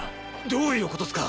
どういう事っすか？